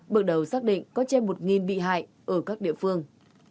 bước đầu xác định có trên một bị hại ở các địa phương